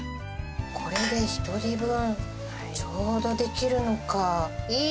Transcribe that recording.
これで１人分ちょうどできるのか。